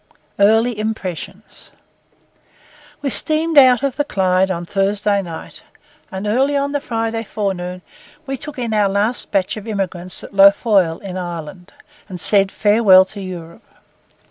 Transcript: EARLY IMPRESSIONS We steamed out of the Clyde on Thursday night, and early on the Friday forenoon we took in our last batch of emigrants at Lough Foyle, in Ireland, and said farewell to Europe.